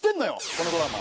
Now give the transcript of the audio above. このドラマ。